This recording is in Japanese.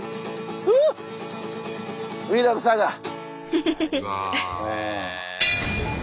フフフフ！